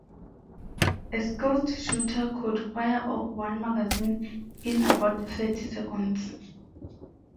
A skilled shooter could fire off one magazine in about thirty seconds.